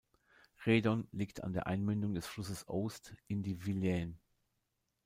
Redon liegt an der Einmündung des Flusses Oust in die Vilaine.